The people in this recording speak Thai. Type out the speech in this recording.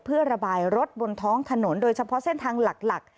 เพื่อระบายรถบนท้องถนนโดยเฉพาะเส้นทางหลัก